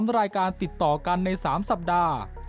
๓รายการติดต่อกันใน๓สัปดาห์